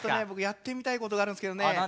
僕やってみたいことがあるんですけどね。